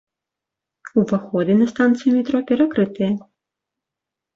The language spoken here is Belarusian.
Уваходы на станцыю метро перакрытыя.